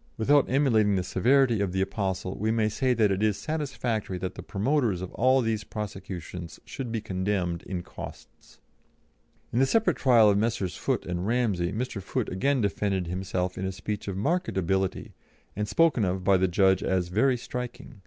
"' Without emulating the severity of the apostle, we may say that it is satisfactory that the promoters of all these prosecutions should be condemned in costs." In the separate trial of Messrs. Foote and Ramsey, Mr. Foote again defended himself in a speech of marked ability, and spoken of by the judge as "very striking."